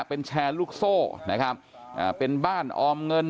เป็นแชร์ลูกโซ่นะครับอ่าเป็นบ้านออมเงิน